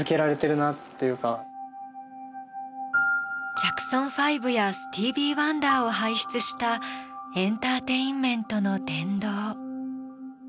ジャクソン・ファイブやスティーヴィー・ワンダーを輩出したエンターテインメントの殿堂。